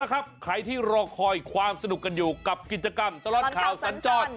ใครที่รอคอยความสนุกกันอยู่กับกิจกรรมตลอดข่าวสัญจร